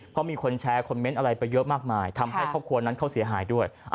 เพราะมีคนแชร์คอมเมนต์อะไรไปเยอะมากมายทำให้ครอบครัวนั้นเขาเสียหายด้วย